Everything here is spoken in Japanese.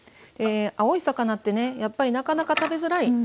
青い魚ってねやっぱりなかなか食べづらい。